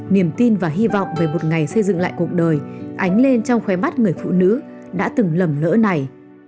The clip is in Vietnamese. niềm tin và hy vọng về một ngày xây dựng lại cuộc đời ánh lên trong khoe bắt người phụ nữ đã từng lầm lỡ này